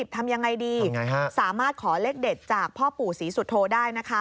ทำยังไงดีสามารถขอเลขเด็ดจากพ่อปู่ศรีสุโธได้นะคะ